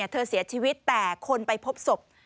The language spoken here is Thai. เธอเสียชีวิตแต่คนไปพบศพ